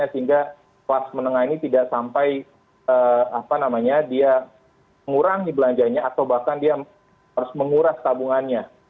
sehingga kelas menengah ini tidak sampai dia mengurangi belanjanya atau bahkan dia harus menguras tabungannya